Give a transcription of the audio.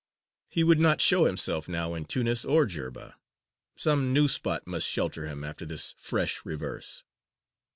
He would not show himself now in Tunis or Jerba. Some new spot must shelter him after this fresh reverse.